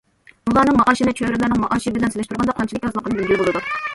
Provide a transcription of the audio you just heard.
بۇلارنىڭ مائاشىنى چۆرىلەرنىڭ مائاشى بىلەن سېلىشتۇرغاندا قانچىلىك ئازلىقىنى بىلگىلى بولىدۇ.